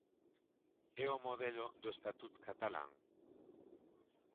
¿É o modelo do Estatut catalán?